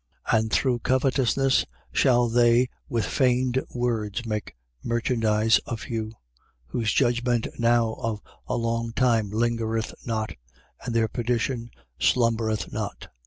2:3. And through covetousness shall they with feigned words make merchandise of you. Whose judgment now of a long time lingereth not: and their perdition slumbereth not.